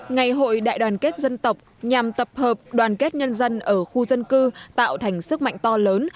ngày hội đại đoàn kết dân tộc nhằm tập hợp đoàn kết nhân dân ở khu dân cư tạo thành sức mạnh to lớn